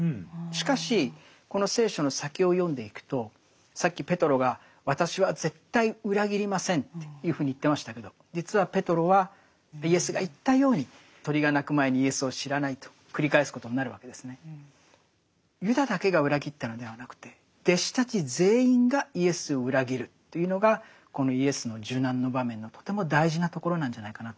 しかしこの聖書の先を読んでいくとさっきペトロが私は絶対裏切りませんというふうに言ってましたけど実はペトロはイエスが言ったように鶏が鳴く前にイエスを知らないと繰り返すことになるわけですね。というのがこのイエスの受難の場面のとても大事なところなんじゃないかなというふうに思うんですね。